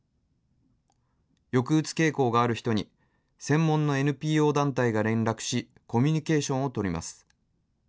抑鬱傾向がある人に、専門のＮＰＯ団体が連絡し、コミュニケーションを取ります。